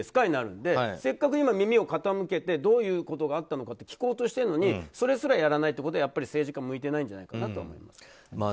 になるのでせっかく耳を傾けてどういうことがあったのか聞こうとしているのにそれすらやらないのは政治家向いてないんじゃないかと思います。